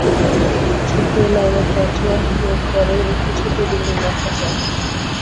তৃতীয় লাইনে পঞ্চম অক্ষরের পরে একটি ছোট বিন্দু দেখা যায়।